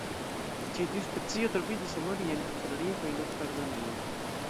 Ĉi tiu specio troviĝis en orienta Aŭstralio kaj Nov-Kaledonio.